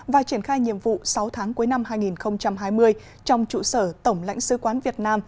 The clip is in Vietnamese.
và triển khai nhiệm vụ sáu tháng cuối năm hai nghìn hai mươi trong trụ sở tổng lãnh sứ quán việt nam